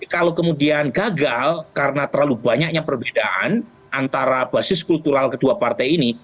kalau kemudian gagal karena terlalu banyaknya perbedaan antara basis kultural kedua partai ini